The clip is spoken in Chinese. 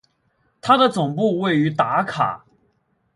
它的总部位于达卡。